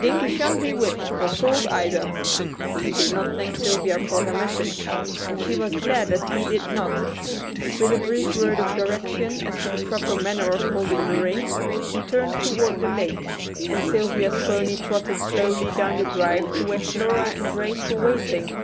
"Dinkie shan't be whipped, or sold either." He did not thank Sylvia for her message, and she was glad that he did not. With a brief word of direction as to the proper manner of holding the reins, he turned toward the lake, and Sylvia's pony trotted slowly down the drive to where Flora and Grace were waiting.